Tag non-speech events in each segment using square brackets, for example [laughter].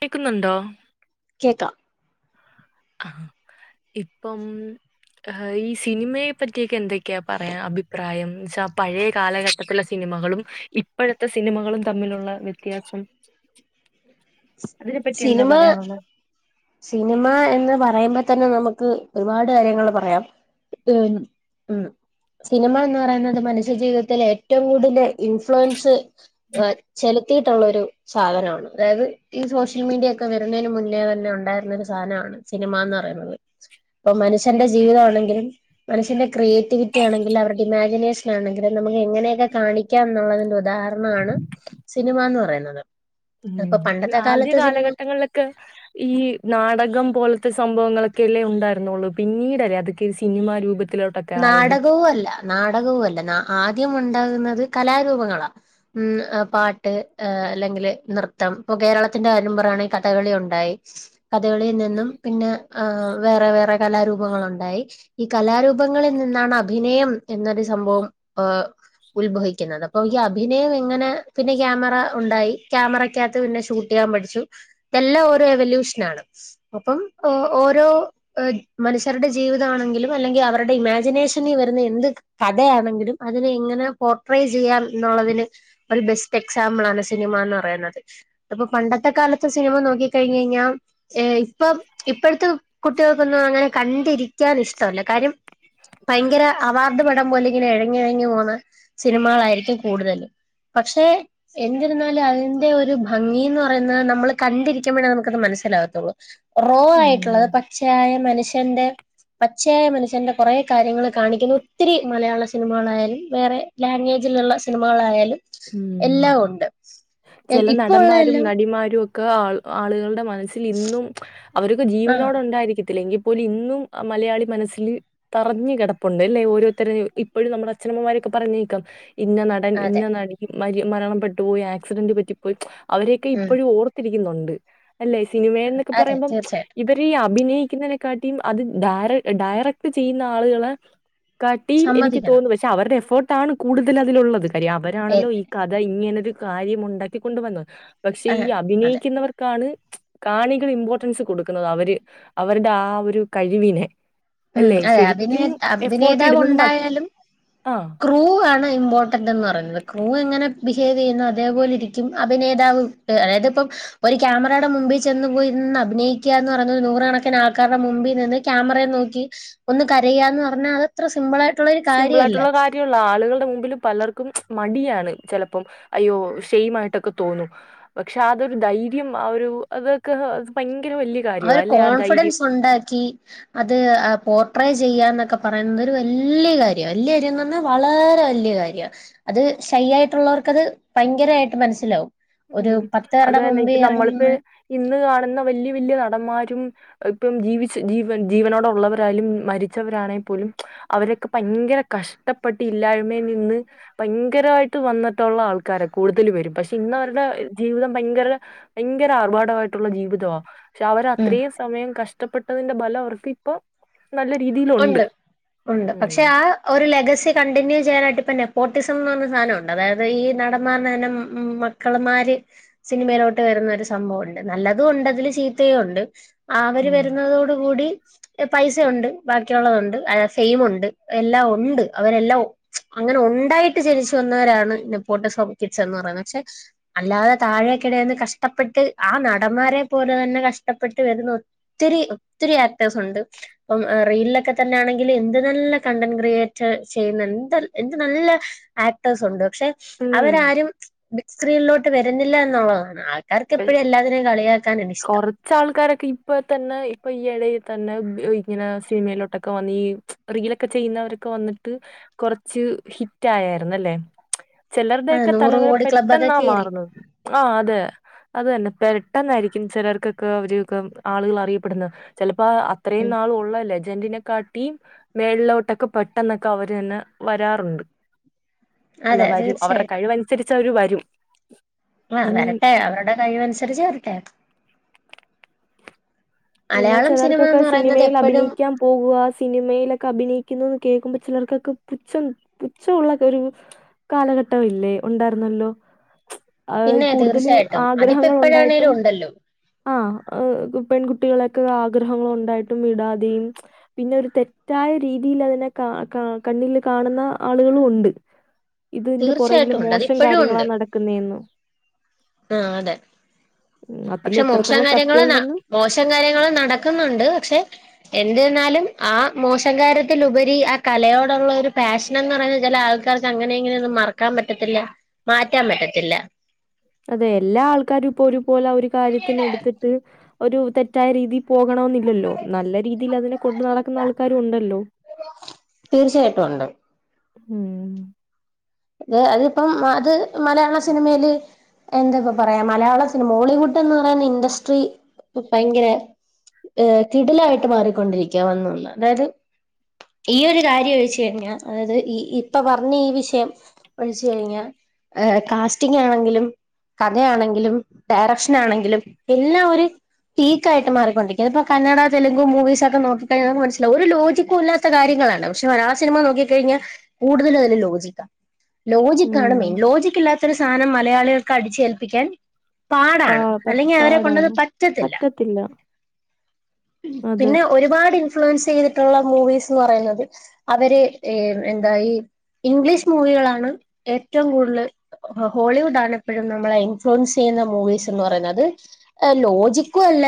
കേക്കുന്നൊണ്ടോ കേക്കാം ആ ഇപ്പം ആഹ് ഈ സിനിമയെപറ്റിയെക്കെ [unintelligible] ക്ക പറയാൻ അഭിപ്രായം ച പഴയ കാലഘട്ടത്തിലെ സിനിമകളും ഇപ്പോഴത്തെ സിനിമകളും തമ്മിലുള്ള വ്യത്യാസം അതിനെപ്പറ്റി എന്താ സിനിമ പറയാനുള്ളെ? സിനിമ എന്ന് പറയുമ്പോ തന്നെ നമുക്ക് ഒരുപാട് കാര്യങ്ങള് പറയാം. [unintelligible] ഉം സിനിമ എന്ന് പറയുന്നത് മനുഷ്യജീവിതത്തിലെ ഏറ്റവും കൂടുതൽ ഇൻഫ്ലുവൻസ് [unintelligible] ചെലുത്തിട്ടൊള്ളൊരു സാധനമാണ്, അതായത് ഈ സോഷ്യൽ മീഡിയ ഒക്കെ വരുന്നതിന് മുന്നേ തന്നെ ഉണ്ട് ണ്ടായിരുന്ന ഒരു സാനവാണ് സിനിമാന്ന് പറയുന്നത് പ്പം മനുഷ്യർടെ ജീവിതവാണെങ്കിൽ മനുഷ്യന്റെ ക്രിയേറ്റിവിറ്റി ആണെങ്കിലും അവർക്ക് ഇമാജിനേഷൻ ആണെിലും നമുക്ക് എങ്ങനെയൊക്കെണി ക്കാം എന്നുള്ളതിന്റെ ഉദാഹരണമാണ് സിനിമ എന്ന് പറയുന്നത്. ഉം അപ്പൊ ഒരു പണ്ടത്തെ ആദ്യ കാലത്തെ സിനിമ കാലഘട്ടങ്ങളിലൊക്കെ ഈ നാടകം പോലത്ത സംഭവങ്ങളൊക്കെല്ലേ ഉണ്ടായിരുന്നുള്ളു പിന്നീടല്ലേ അതൊക്കെ സിനിമ രൂപത്തിലോ നാടകവു അല്ല നാടകവു അല്ല ആദ്യം ഉണ്ടാകുന്നത് കലാരൂപങ്ങളാ ഉം പാട്ട് ങ് അല്ലെങ്കിൽ നൃത്തം പ്പൊ കേരളത്തിന്റെ കാര്യം പറയാണെങ്കിൽ കഥകളി ഉണ്ടായി. കഥകളിൽ നിന്നും പിന്നെ [unintelligible] വേറെ വേറെ കലാരൂപങ്ങൾ ഉണ്ടായി ഈ കലാരൂ രൂപങ്ങളിൽ നിന്നാണ് അഭിനയം എന്നൊരു സംഭവം ഏഹ് ഉത്ഭവിക്കുന്നത് അപ്പൊ ഈ അഭിനയം എങ്ങനെ പിന്നെ ക്യാമറ ഉണ്ടായി ക്യാമറയ്ക്കാത്ത് പിന്നെ [unintelligible] [unintelligible] പഠിച്ചു എല്ലാം ഒരു എവല്യൂഷനാണ് അപ്പം ഓരോ മനുഷ്യരുടെ ജീവിത ആണെങ്കിലും അല്ലെങ്കിൽ അവ അവരുടെ ഇമാജിനേഷനിൽ വരുന്ന എന്ത് കഥയാണെങ്കിലും അതിനെ ഇങ്ങനെ പോർട്ട്രേ ചെയ്യാം എന്നുള്ളതിന് ഒരു ബെസ്റ്റ് എക്സാമ്പിളാണ് സിനിമ ന്ന് പറയുന്നത്. അപ്പൊ പണ്ടത്തെ കാലത്ത് സിനിമ നോക്കി കഴിഞ്ഞ് കഴിഞ്ഞാ. ഏഹ് ഇപ്പം ഇപ്പോഴത്തെ കുട്ടികൾക്കൊന്നും അങ്ങനെ കണ്ടിരിക്കാൻ ഇഷ്ടല്ല കാര്യം ഭയങ്കര അവാർഡ് പടം പോലെ ഇങ്ങനെ ഇഴഞ്ഞ് ഇഴഞ്ഞ് പോകുന്ന സിനിമകളായിരിക്കും കൂടുതല്. പക്ഷേ എന്തിരുന്നാലും അതിന്റെ ഒരു ഭംഗീന്നു പറയുന്നത് നമ്മള് കണ്ടിരിക്കുമ്പഴേ നമുക്കത് മനസ്സിലാകത്തുള്ളൂ. റോ ആയിട്ടുള്ളത് ഉം. പച്ചയായ മനുഷ്യന്റെ പച്ചയായ മനുഷ്യന്റെ. കുറേ കാര്യങ്ങള് കാണിക്കുന്നു ഒത്തിരി മലയാള സിനിമകളായാലും വേറെ ലാൻഗേജിലുള്ള സിനിമകളായാലും ഉം എല്ലാം ഉണ്ട് ചെല ഇപ്പോ ഉള്ള നടന്മാരും എല്ലാം നടിമാരും ഒ ക്ക് ആ ആളുകളുടെ മനസ്സിൽ ഇന്നും അവരൊക്കെ ആഹ് ജീവനോട് ഉണ്ടായിരിക്കത്തില്ലെ എങ്കി പ്പോലിന്നും മലയാളി മനസ്സില് തറഞ്ഞ് കിടപ്പുണ്ട് അല്ലേ ഓരോരുത്തര് ഇപ്പോഴും നമ്മുടെ അച്ഛനമ്മമാരൊക്കെ പറഞ്ഞു കേക്കാം ഇന്ന നട അതെ ഇന്ന നടി മരി മരണപ്പെട്ടു പോയി ആക്സിഡന്റ് പറ്റിപ്പോയി അവരെയൊക്കെ ഉം ഇപ്പോഴും ഓർ ത്തിരിക്കുന്നുണ്ട് അല്ലെ സിനിമ എന്നൊക്കെ അതെ പറയുമ്പം തീർച്ചയായിട്ടും ഇവര് ഈ അഭിനയിക്കുന്നതിനെക്കാട്ടിം അത് ഡയറ ഡയറക്ട് ചെയ്യുന്ന ആളുകളെ കാട്ടീം എനിക്ക് സമ്മതിക്കണം തോന്നുന്നു പക്ഷെ അവരുടെ എഫേർട്ട് ആണ് കൂടുതൽ അതിലുള്ളത് കാര്യം ഏ അവരാണല്ലോ ഈ കഥ ഇങ്ങനൊരു കാര്യം ഉണ്ടാക്കിക്കൊണ്ട് വന്നു. പക്ഷെ ഈ അതെ അഭിനയിക്കുന്നവർക്കാണ് കാണികൾ ഇമ്പോർട്ടൻസ് കൊടുക്കുന്നത് അവര് അവരുടെ ആ ഒരു കഴിവിനെ. ഉം അല്ലെ അതെ അഭിനേ ശരിക്കും എഫോർട്ട് അഭിനേതാവ് ഇടുന്നത് മ ഉണ്ടായാലും ആ ക്രൂ ആണ് ഇമ്പോർട്ടൻറ് എന്ന് പറയുന്നത്. ക്രൂ എങ്ങനെ ബിഹേവ് ചെയ്യുന്നു അതേപോലെ ഇരിക്കും അഭിനേതാവ്. അതായത് ഇപ്പം. ഒരു ക്യാമറയുടെ മുമ്പിൽ ചെന്ന് പോയിരുന്ന് അഭിനയിക്ക എന്ന് പറയുന്നത് നൂറുകണക്കിന് ആൾക്കാരുടെ മുമ്പിൽ നിന്ന് ക്യാമറയെ നോക്കി ട്ട് ഒന്ന് കരയാന്ന് പറഞ്ഞാ അതത്ര സിമ്പിളാ സിമ്പിളായിട്ടുള്ള കാര്യല്ല. ആളുകളുടെ മുമ്പിലും പലർക്കും മടിയാണ് ചിലപ്പം അയ്യോ ഷെയിമായിട്ടൊക്കെ തോന്നും പക്ഷെ അതൊരു ധൈര്യം ആ ഒരു അതൊക്കെ. ഭയങ്കര വല്യ ആ ഒരു കോൺഫിഡൻസ് ഉണ്ടാക്കി അത് പോർട്രേ ചെയ്യാന്നൊക്കെ പറയുന്നത് ഒരു വല്യ കാര്യാ. വല്യ കാര്യംന്നു പറഞ്ഞാ വളരെ വലിയ കാര്യാ. അത് ശൈയായിട്ടുള്ളവർക്കത് ഭയങ്കരമായിട്ട് മനസ്സിലാവും. ഒരു ഉം പത്ത് അത് പേരുടെ തന്നെ മുമ്പിൽ ഇപ്പം നമ്മളിപ്പ ഇറങ്ങിന്ന് ഇന്ന് കാണുന്ന വല്യ വല്യ നടന്മാരും ഇപ്പം ജീവിച്ച് ജീവൻ ജീവനോടെ ഉള്ളവരായാലും മരിച്ചവരാണെ പോലും. അവരൊക്കെ ഭയങ്കര കഷ്ടപ്പെട്ട് ഇല്ലായ്മയിൽ നിന്ന് ഭയങ്കരായിട്ട് വന്നിട്ടുള്ള ആൾക്കാരാ കൂടുതൽ പേരും. പക്ഷെ ഇന്നവർ. ടെ ജീവിതം ഭയങ്കര ഭയങ്കര ആർഭാടമായിട്ടുള്ള ജീവിതവാ പക്ഷെ അവര് ഉം അത്രയും സമയം കഷ്ടപ്പെട്ടതിന്റെ ബലം അവർക്ക് ഇപ്പൊ നല്ല രീതിയിലുണ്ട് ഉണ്ട് ഉണ്ട് ഉം പക്ഷെ ആ ഒരു ലെഗസി കണ്ടിന്യൂ ചെയ്യാനായിട്ട് ഇപ്പം നെപ്പോട്ടിസം എന്നു പറഞ്ഞ സാധനമുണ്ട്. അതായത് ഈ നടമാരുടെതന്നെ മ ക്കൾമാര് സിനിമയിലോട്ട് വരുന്ന ഒരു സംഭവം ഉണ്ട്. നല്ലതും ഉണ്ട് അതില് ചീത്തയും ഉണ്ട്. ആ അവര് ഉം വരുന്നതോടു കൂടി പൈസയുണ്ട്. ബാക്കിയുള്ളതുണ്ട് സെയിമുണ്ട് എല്ലാം ഉണ്ട് അവരെല്ലാം അങ്ങനെ ഉണ്ടായിട്ട് ജനിച്ചു വന്നവരാണ് നെപ്പോട്ടിസം കിഡ്സ് എന്ന് പറയുന്നത് പക്ഷെ അല്ലാതെ താഴേക്കിടേന്ന് കഷ്ടപ്പെട്ട് ആ നടന്മാരെ പോലെ തന്നെ കഷ്ടപ്പെട്ട് വരുന്ന ഒ ത്തിരി ഒത്തിരി ആക്ടേഴ്സ് ഉണ്ട് അപ്പം റീലിലൊക്കെ തന്നെയാണെങ്കിൽ എന്ത് നല്ല കണ്ടന്റ് ക്രിയേറ്റ് ചെയ്യുന്ന എന്ത് എന്ത് നല്ല ആക്ടേഴസ് ഉണ്ട് പക്ഷെ അവരാരും ബിഗ് സ്ക്രീനിലോട്ട് വരുന്നില്ല എന്നുള്ളതാണ്. ആൾക്കാർക്കെപ്പോഴും എല്ലാത്തിനെയും കളിയാക്കാനാണ് ഇഷ്ടം. കുറച്ചാൾക്കാരൊക്കെ ഇപ്പം തന്നെ ഇപ്പൊ ഈയിടയിൽ തന്നെ ഇങ്ങനെ സിനിമയിലോട്ടൊക്കെ വന്ന് ഈ റീലൊക്കെ ചെയ്യുന്നവരൊക്കെ വന്നിട്ട് കൊറച്ച് ഹിറ്റ് ആയേരുന്നു അല്ലെ. ആ ചിലരുടെയൊക്കെ നൂറ് തലവര കോടി ക്ലബ്ബൊക്കെ പെട്ടെന്നാ കേറി മാറുന്നത് ആ അതെ. അത് തന്നെ പെട്ടെന്നായിരിക്കും ചിലർക്കൊക്കെ അവരൊക്കെ ആളുകള് അറിയപ്പെടുന്നത് ചിലപ്പേ അ ഇത്രയും ഉം നാള് ഉള്ള ലെജ ന്റീനക്കാട്ടിം മേളിലോട്ടൊക്കെ പെട്ടെന്നൊക്കെ അവര് തന്നെ വരാറുണ്ട് അല്ല അതെ വരും അവരുടെ തീർച്ചയായിട്ടും കഴിവനുസരിച്ച് അവര് വരും ആ ഇനി വരട്ടെ അവരുടെകഴിവ് അനുസരിച്ച് വരട്ടെ പിന്നെ മലയാളം സിനിമ ചെലർക്കൊക്കെ എന്ന് പറയുന്നത് സിനിമയിൽ എപ്പോഴും അഭിനയിക്കാം ഉവ്വ് ആ സിനിമയിലൊക്കെ അഭിനയിക്കുന്നുന്ന് കേൾക്കുമ്പോ ചിലർക്കൊക്കെ പുച്ഛം പുച്ഛവുള്ള ഒരു കാലഘട്ടവല്ലേ ഉണ്ടായിരുന്നല്ലോ ആഹ് പിന്നെ കൂടുതലും തീർച്ചയായിട്ടും അതിപ്പോ ആഗ്രഹങ്ങൾ ഉണ്ടായിട്ടും എപ്പോഴാണേലും ഉണ്ടല്ലോ ആഹ് ആ [inaudible] കുട്ടികളൊക്കെ ആഗ്രഹങ്ങളൾ ഉണ്ടായിട്ടും വിടാതെയും പിന്നെ ഒരു തെറ്റായ രീതിൽ അതിനെ കാ കാ കണ്ണിൽ കാണുന്ന ആളുകളും ഉണ്ട് ഇതിന്റെ പുറകില് തീർച്ചയായിട്ടും ഉണ്ട് മോശം അതിപ്പോഴും കാര്യങ്ങളാ നടക്കുന്നേന്ന്. ആഹ് അതെ ഉം അതിൽ പക്ഷെ മോശം എത്രത്തോളം കാര്യങ്ങൾ സത്യം ന ഉണ്ടെന്ന് മോശം കാര്യങ്ങള് നടക്കുന്നുണ്ട്. പക്ഷെ എന്ത്തന്നായാലും ആ മോശംകാര്യത്തിലുപരി ആ കലയോടുള്ള ഒരു പാഷൻ എന്തെന്ന് പറഞ്ഞ ചില ആൾക്കാർക്ക് അങ്ങനെ ഇങ്ങനെയൊന്നും മറക്കാൻ പറ്റത്തില്ല മാറ്റാൻ പറ്റത്തില്ല അതെ എല്ലാ ആൾക്കാരും ഇപ്പോ ഒരുപോലെ ഒരു കാര്യത്തിന് എടുത്തിട്ട് ഒരു തെറ്റായ രീതി പോകണോന്നില്ലല്ലോ നല്ല രീതിയിൽ അതിനെ കൊണ്ടു നടക്കുന്ന ആൾക്കാരു ഉണ്ടല്ലോ. തീർച്ചയായിട്ടും ഉണ്ട് ഉംഉം [unintelligible] അതിപ്പം അത് മലയാള സിനിമയില് എന്തിപ്പം പറയാ മലയാള സിനിമ മോ ളിവുഡ് എന്ന് പറയുന്ന ഇൻഡസ്ട്രി ഭയങ്കര ഏഹ് കിടിലായിട്ട് മാറിക്കൊണ്ടിരിക്കുവാ വന്ന് വന്ന് അതായത് ഈയൊരു കാര്യം ഒഴിചോഴിഞ്ഞാൽ അതായത് ഈ ഇപ്പൊ പറഞ്ഞ ഈ വിഷയം വ്ൾച്ചു കഴിഞ്ഞ ഏഹ് കാസ്റ്റിങ് ആണെങ്കിലും. കഥയാണെങ്കിലും ഡയറക്ഷൻ ആണെങ്കിലും എല്ലാം ഒര്. ഫീകായിട്ട് മാറിക്കൊണ്ടിരിക്ക ഇപ്പ കന്നഡ തെലുങ്ക് മൂവീസൊക്കെ നോക്കിക്കഴിഞ്ഞ നമുക്ക് മനസ്സിലാവും ഒരു ലോജികുല്ലാ ത്ത കാര്യങ്ങളാണ് പക്ഷെ മലയാള സിനിമ നോക്കി കഴിഞ്ഞ കൂടുതൽ അതിൽ ലോജിക്ക. ലോജിക്കാണ് മെയിൻ ഉം ലോജിക്കില്ലാത്ത ഒരു സാനം മലയാളികൾക്ക് അടിച്ചേൽപ്പിക്കാൻ. പാ പാടാണ് പ അല്ലെങ്കി അവരെ ക്കൊണ്ടത് പാടാണ് പറ്റത്തില്ല. ഉം അതെ പിന്നെ ഒരുപാട്- ഫ്ലുവെൻസെയ്തിട്ടുള്ള മൂവീസ്ന്ന് പറയുന്നത് അവര് എ എന്താ ഈ ഇഗ്ലീശ്. മൂവികളാണ് ഏറ്റവും കൂടുൽ ഹൊ ഹോളിവുഡാണ് എപ്പഴും നമ്മളെ ഇൻഫ്ലുവെൻസ് യ്യുന്ന മൂവീസ് എന്ന് പറയുന്നത്. അ ലോജിക്കുവല്ല.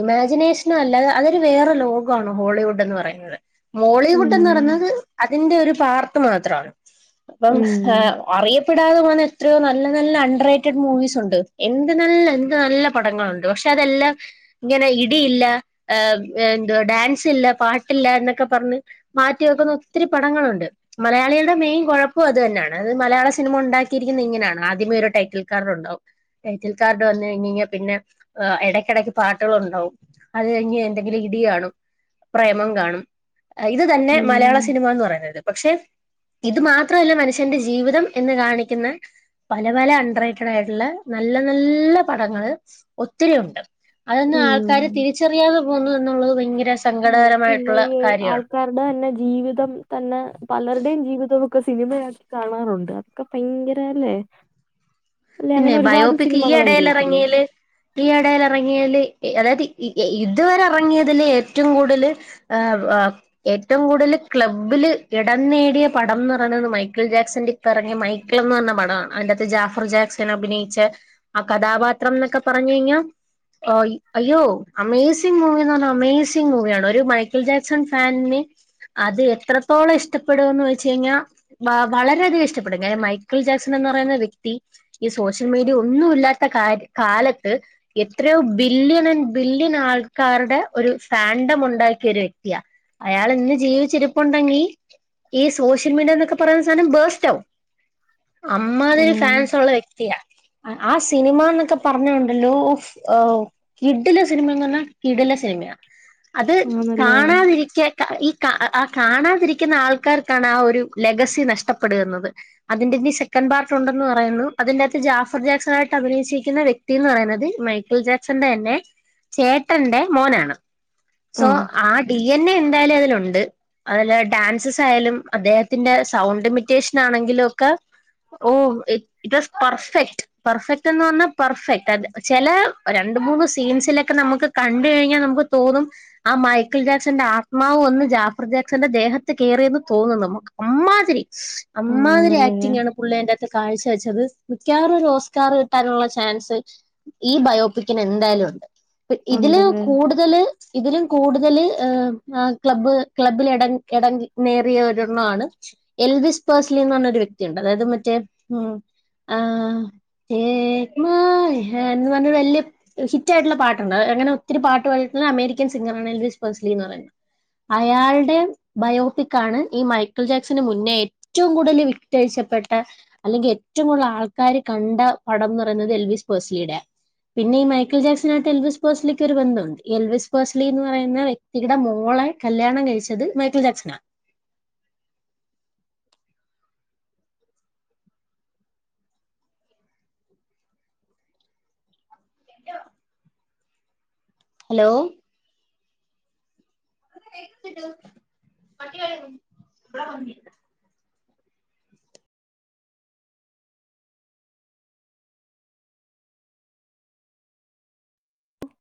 ഇമാജിനേഷനൊ അല്ല അ അതൊരു വേറെ ലോകവാണ് ഹോളിവുഡ് എന്ന് പറയുന്നത്. ഉം മോളിവുഡ് എന്ന് പറഞ്ഞത് അതിന്റെ ഒരു പാർട്ട്‌ മാത്രാണ് അപ്പം. ഉം ഹാ അറിയപ്പെടാതെ പോന്ന എത്രയോ നല്ല നല്ല അണ്ടറേറ്റഡ് മൂവിസ് ഉണ്ട്. എന്ത് നല്ല എന്ത് നല്ല. പടങ്ങളുണ്ട് പക്ഷെ അതെല്ലാം. ഇങ്ങനെ ഇടിയില്ല ആ എന്തുവാ ഡാൻസില്ല പാട്ടില്ല എന്നൊക്കെ പർഞ്ഞ്. മാറ്റി വെക്കുന്ന ഒത്തിരി പടങ്ങളുണ്ട് മലയാളികൾ. ടെ മെയിൻ കൊഴപ്പോം അത് തന്നാണ് അത് മലയാള സിനിമ ഉണ്ടാക്കിയിരിക്കുന്ന ഇങ്ങനാണ്. ആദ്യമേ ഒരു ടൈറ്റിൽ കാർഡ് ഉണ്ടാവും. ടൈറ്റിൽ കാർഡ് വന്നു കഴിഞേഞ്ഞ പിന്നെ അ എടയ്ക്കിടയ്ക്ക് പാട്ടുകൾണ്ടാവും. അത് കഴഞ് എന്തെങ്കിലും ഇടി കാണും പ്രേമം കാണും. അ ഇത് തന്നെ ഉം മലയാള സിനിമ എന്ന് പറയുന്നത് പക്ഷെ, ഇത് മാത്രല്ല മനുഷ്യന്റെ ജീവിതം എന്ന് കാണിക്കുന്ന. പല പല അണ്ടറൈറ്റഡ് ആയിട്ടുള്ള നല്ല നല്ല പടങ്ങള് ഒത്തിരിയുണ്ട്. അതൊന്നു ആൾക്കാര് ഉം തിരിച്ചറിയാതെ പോകുന്നു എന്നുള്ളത് ഭയങ്കര സ ഉം പിന്നെ ഈ ആൾക്കാരുടെ തന്നെ ജീവിതം തന്നെ പലര്ടെം ജീവിതോം. ക്കെ സിനിമയാക്കി കാണാറുണ്ട് അതൊക്കെ ഭയങ്കര അല്ലേ? അല്ലെ പിന്നെ അങ്ങനെ ഒരുപാട് ബയോപിക് ഈ സിനിമകൾ എടേൽ ഇ അതിലേക്കില്ലേ എറങ്ങീല്. ഈ എടേല് എറങ്ങിയേല് ഇ അതായത് ഉ എ ഇതുവരെ എറങ്ങിയതില് ഏറ്റവും കൂടൽ. ഏവ് ആഹ് ഏറ്റവും കൂടുതല് ക്ലബ്ബ്ല് എടം നേടിയ പടംന്ന്റണത് മൈക്കിൾ ജാക്സന്റയാ പ്പറങിയ മൈക്ക്ളെന്ന് പറഞ്ഞ പടാ അതിന്റകത്ത് ജാഫർ ജാക്സ അഭിനയിച്ച ആ കഥാപാത്രന്നൊക്കെ പറഞ്ഞഴിഞ്ഞ അയ്യോ അമേസിംഗ് മൂവിന്ന് പറഞ്ഞ അമേസിംഗ് മൂവിയാണ്. ഒര് മൈക്കിൾ ജാക്സൻ ഫാൻന് അതെത്രത്തോളം ഇഷ്ടപ്പെടോന്ന് ചോയ്ച്ച് കഴിഞ്ഞാൽ വാ വളരെയധികം ഇഷ്ടപ്പെടും. കാരണം മൈക്കിൾ ജാക്സനെന്ന് പറയുന്ന വ്യക്തി ഈ സോഷ്യൽ മീഡിയ ഒന്നുല്ലാത്ത കാല കാലത്ത് എത്രയൊ ബില്യണൺ ബില്യൺ ആൾക്കാര്ടെ ഒരു ഫാണ്ടം ഉണ്ടാക്കിയൊരു വ്യക്തി അയാള്ന്ന് ജീവിച്ചിരിപ്പുണ്ടെങ്കി ഈ സോഷ്യൽ മീഡിയന്നൊക്കെ പറയ്ന്ന സാധനം ബേസ്റ്റാവും അമ്മാതിരി ഉം ഫാൻസുള്ള വ്യക്തി ആഹ് സിനിമാന്നൊക്കെ പറഞ്ഞ ഉണ്ടല്ലോ അവ് കിടിലം സിനിമാന്ന് പറഞ്ഞ കിടിലം സിനിമെയ അത് ആണല്ലേ കാണാതിരിക്ക ഈ കാ ആഹ് കാണാതിരിക്ക്ന്ന ആൾക്കാർക്കാണ് ആഹ് ഒരു ലെഗസി നഷ്ടപ്പെടുന്നത് അതിന്റെഞി സെക്കൻ പാർട്ടുണ്ടെന്ന് പറയുന്നു അതിന്റകത്ത് ജാഫർ ജാക്സനായിട്ട് അഭിനയിച്ചിരിക്ക്ന്ന വ്യക്തീന്ന് പറയ്ന്നത് മൈക്കിൾ ജാക്സന്റന്നെ ചേട്ടന്റെ മോനാണ് so ah D N A എന്തായാലും അതിലുണ്ട് അതിലെ ഡാൻസസായാലും അദ്ദേഹത്തിന്റെ സൗണ്ട് മിറ്റേഷനാണെങ്കിലൊക്കെ oh uh it was perfect പെർഫെക്റ്റെന്ന് പറഞ്ഞ പെർഫെക്റ്റ് അതെ ചെലേ രണ്ട് മൂന്ന് സീൻസിലൊക്കെ നമ്ക്ക് കണ്ട് കഴിഞ്ഞ നമുക്ക് തോന്നും ആഹ് മൈക്കിൾ ജാക്സന്റെ ആത്മാവ് വന്ന് ജാഫർ ജാക്സന്റെ ദേഹത്ത് കേറിയെന്ന് തോന്നും നമ്മക്ക് അമ്മാതിരി അമ്മാതിരി ആണല്ലേ ആക്ടിംഗാണ് പുള്ളി അയ്ന്റകത്ത് കാഴ്ച വെച്ച അത് മിക്കവാറൊരു ഓസ്കാർ കിട്ടാനുള്ള ചാൻസ് ഈ ബയോപിക്കിനെന്തായാലുണ്ട്. ഇതില് ഉണ്ടല്ലേ കൂട്തല് ഇതിലും കൂടുതല് ആഹ് ക്ലബ് ക്ലബ്ബില് എടം എടം നേറിയ ഒരെണ്ണാണ് എൽവിസ് പേഴ്സ്ലീന്ന് പറഞൊരു വ്യക്തിണ്ട് അതായത് മറ്റെ ഉം ആഹ് ഏഹ് മായ് ഹെൻന്ന് പറഞ്ഞൊരു വല്യ ഹിറ്റായിട്ട്ള്ള പാട്ട്ണ്ട് അങ്ങനെ ഒത്തിരി പാട്ട് പാട്ട്ട്ള്ള അമേരിക്കൻ സിംഗറാണ്. എൽവിസ് പേസ്ലീന്ന് പറയ്ന്നത്. അയാള്ടെ ബയോട്ടിക്കാണ് ഈ മൈക്കിൾ ജാക്സിന് മുന്നേ റ്റവും കൂടുതല് വിറ്റൊഴിച്ചപ്പെട്ട അല്ലെങ്കി ഏറ്റ ഏറ്റും കൂടുതല് ആൾക്കാര് കണ്ട പടംന്ന് പറയുന്നത് എൽവിസ് പേഴ്സ്ലിലിയ്ടേ പിന്നെ ഈ മൈക്കിൾ ജാക്സനായിട്ട് എൽവിസ് പോഴ്സ്ലിക്ക് ഒര് ബന്ധൊണ്ട്. എൽവിസ് പേസ്ലീന്ന് പറയുന്ന വ്യക്തി കീടെ മോളെ കല്യാണം കഴിച്ചത് മൈക്കിൾ ജാക്സനാ [unintelligible] ഹലോ [unintelligible]